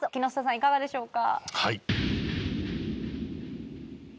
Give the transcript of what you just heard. いかがでしょうか？